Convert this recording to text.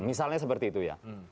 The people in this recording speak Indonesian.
misalnya seperti itu ya